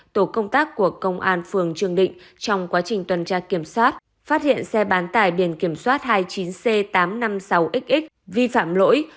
tổ công tác của công an phường trường định trong quá trình tuần tra kiểm soát phát hiện xe bán tải biển kiểm soát hai mươi chín c tám trăm năm mươi sáu xx vi phạm lỗi